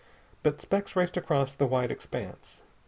But specks raced across the wide expanse.